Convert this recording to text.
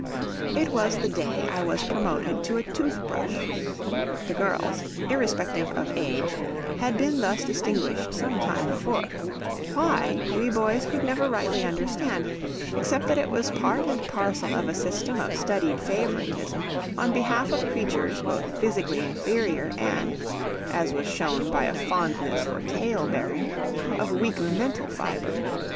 It was the day I was promoted to a tooth brush. The girls, irrespective of age, had been thus distinguished some time before; why, we boys could never rightly understand, except that it was part and parcel of a system of studied favouritism on behalf of creatures both physically inferior and (as was shown by a fondness for tale bearing) of weaker mental fibre.